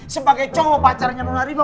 sebagai cowok pacarannya nona riva